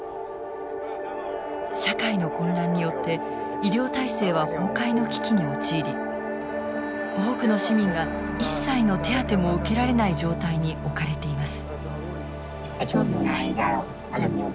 社会の混乱によって医療体制は崩壊の危機に陥り多くの市民が一切の手当ても受けられない状態に置かれています。